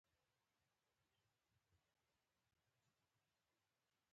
دا د خبیثه کړۍ په اډانه کې وو.